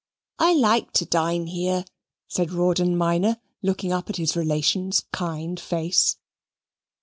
"I like to dine here," said Rawdon Minor, looking up at his relation's kind face.